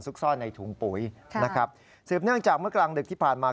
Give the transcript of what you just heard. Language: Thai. ซ่อนในถุงปุ๋ยนะครับสืบเนื่องจากเมื่อกลางดึกที่ผ่านมา